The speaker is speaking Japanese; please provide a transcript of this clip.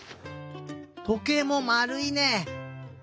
とけいもまるいね。